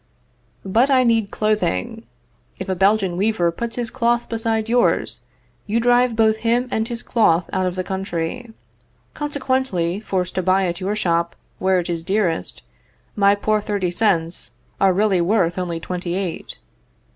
But I need clothing. If a Belgian weaver puts his cloth beside yours, you drive both him and his cloth out of the country. Consequently, forced to buy at your shop, where it is dearest, my poor thirty cents are really worth only twenty eight.